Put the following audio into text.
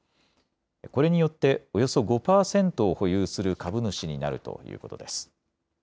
これによっておよそ５％を保有する株主になるということです。